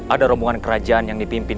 ada rombongan kerajaan yang dipimpin